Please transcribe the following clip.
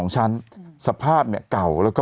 ชอบคุณครับ